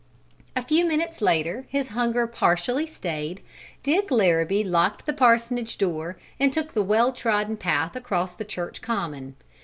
A few minutes later, his hunger partially stayed, Dick Larrabee locked the parsonage door and took the well trodden path across the church common.